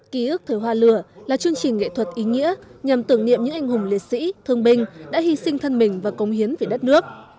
ký ức thời hoa lửa là chương trình nghệ thuật ý nghĩa nhằm tưởng niệm những anh hùng liệt sĩ thương binh đã hy sinh thân mình và công hiến về đất nước